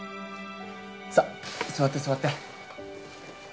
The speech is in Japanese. さあ座って座って。